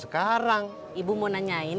kurang mengerti impulsi dengan